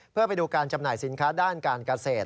เพื่อไปดูการจำหน่ายสินค้าด้านการเกษตร